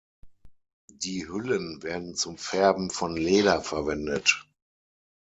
Die Hüllen werden zum Färben von Leder verwendet.